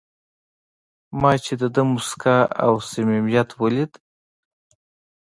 ما چې د ده موسکا او صمیمیت ولید.